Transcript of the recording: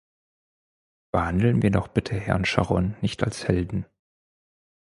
Behandeln wir doch bitte Herrn Sharon nicht als Helden.